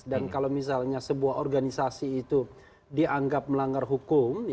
dan kalau misalnya sebuah organisasi itu dianggap melanggar hukum